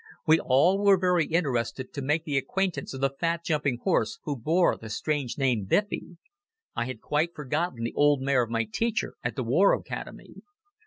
We all were very interested to make the acquaintance of the fat jumping horse who bore the strange name Biffy. I had quite forgotten the old mare of my teacher at the War Academy.